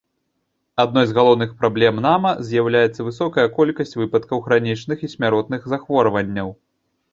Адной з галоўных праблем нама з'яўляецца высокая колькасць выпадкаў хранічных і смяротных захворванняў.